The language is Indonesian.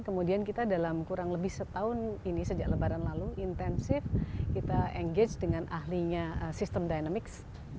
kemudian kita dalam kurang lebih setahun ini sejak lebaran lalu intensif kita engage dengan ahlinya sistem dynamics